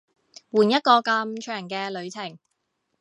換一個咁長嘅旅程